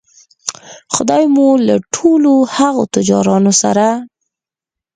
خدای مو له ټولو هغو تجارانو سره